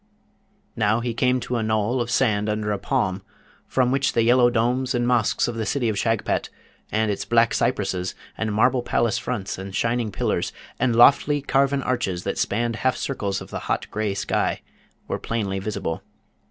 Now, he came to a knoll of sand under a palm, from which the yellow domes and mosques of the city of Shagpat, and its black cypresses, and marble palace fronts, and shining pillars, and lofty carven arches that spanned half circles of the hot grey sky, were plainly visible.